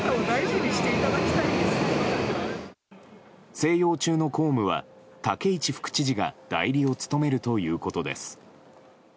静養中の公務は、武市副知事が代理を務めるということです。